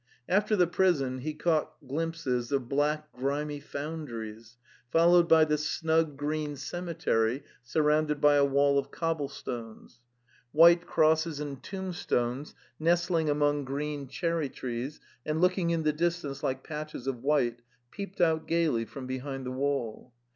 After the prison he caught glimpses of black grimy foundries, followed by the snug green cemetery sur rounded by a wall of cobblestones; white crosses and tombstones, nestling among green cherry trees and looking in the distance like patches of white, peeped out gaily from behind the wall.